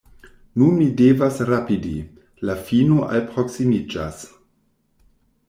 Nun mi devas rapidi; la fino alproksimiĝas.